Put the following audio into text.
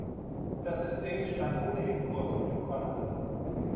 Das System stand ohnehin kurz vor dem Kollaps.